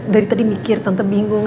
dari tadi mikir tante bingung